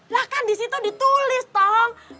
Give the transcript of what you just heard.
lah kan disitu ditulis tong